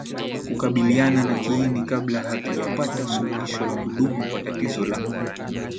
kukabiliana na kiini kabla hatujapata suluhisho la kudumu kwa tatizo la